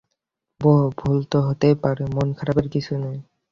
বোহ, ভুল তো হতেই পারে, মন খারাপের কিছু নেই।